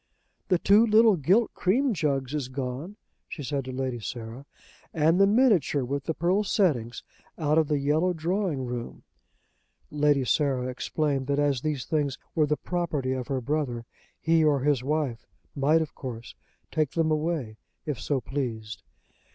"The two little gilt cream jugs is gone," she said to Lady Sarah, "and the minitshur with the pearl settings out of the yellow drawing room!" Lady Sarah explained that as these things were the property of her brother, he or his wife might of course take them away if so pleased.